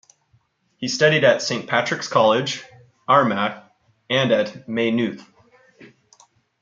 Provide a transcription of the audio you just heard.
He studied at Saint Patrick's College, Armagh and at Maynooth.